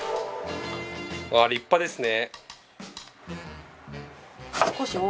立派ですね。